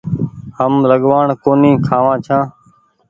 هم لڳوآڻ ڪونيٚ کآوآن ڇآن